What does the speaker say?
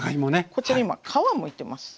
こちら今皮をむいてます。